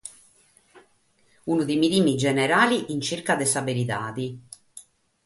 Unu time-time generale pro sa cherta de sa veridade.